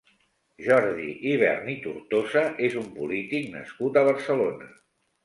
Jordi Ibern i Tortosa és un polític nascut a Barcelona.